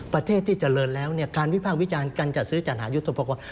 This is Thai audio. ประเทศที่เจริญแล้วเนี่ยการวิพากษ์วิจารณ์การจัดซื้อจัดหายุทธปกรณ์